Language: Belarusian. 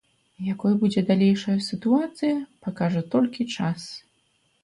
Якой будзе далейшая сітуацыя, пакажа толькі час.